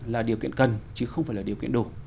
là điều kiện cần chứ không phải là điều kiện đủ